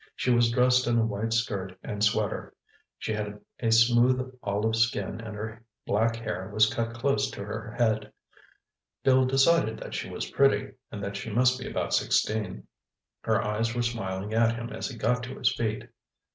She was dressed in a white skirt and sweater. She had a smooth olive skin and her black hair was cut close to her head. Bill decided that she was pretty, and that she must be about sixteen. Her eyes were smiling at him as he got to his feet.